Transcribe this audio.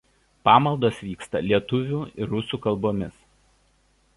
Pamaldos vyksta lietuvių ir rusų kalbomis.